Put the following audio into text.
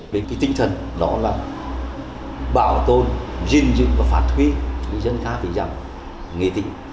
đến cái tinh thần đó là bảo tồn duyên dự và phát huy vì dân ca vì rằng nghệ tỉnh